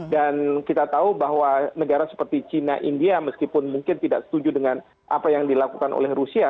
dan kita tahu bahwa negara seperti china india meskipun mungkin tidak setuju dengan apa yang dilakukan oleh rusia